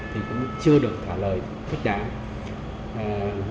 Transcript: thì cũng chưa được thả lời thích đáng